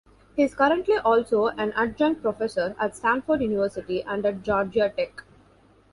He is currently also an Adjunct Professor at Stanford University and at Georgia Tech.